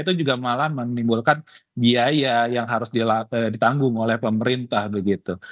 itu juga malah menimbulkan biaya yang harus ditanggung oleh pemerintah begitu